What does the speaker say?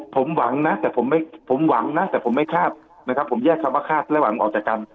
ผมหวังนะแต่ผมไม่คาดผมแยกคำว่าคาดและหวังออกจากกัน